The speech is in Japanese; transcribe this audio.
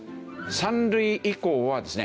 ３類以降はですね